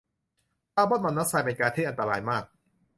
คอร์บอนมอนอกไซด์เป็นก๊าซที่อันตรายมาก